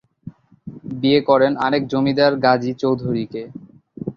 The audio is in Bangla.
বিয়ে করেন আরেক জমিদার গাজী চৌধুরীকে।